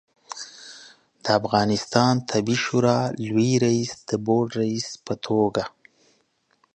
د افغانستان طبي شورا لوي رئیس د بورد رئیس په توګه